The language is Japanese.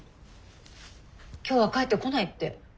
今日は帰ってこないって。